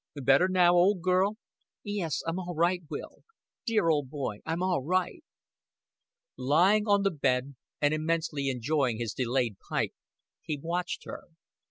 "Better now, old girl?" "Yes. I'm all right, Will. Dear old boy I'm all right." Lying on the bed and immensely enjoying his delayed pipe, he watched her.